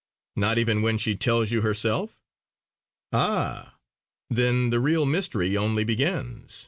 "Not even when she tells you herself?" "Ah! then the real mystery only begins!"